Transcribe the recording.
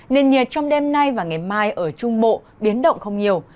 nền nhiệt trong đêm nay và ngày mai ở trung bộ biến động không nhiều